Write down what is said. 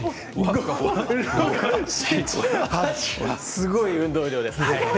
すごい運動量です。